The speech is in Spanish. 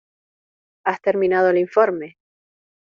¿Has terminado el informe?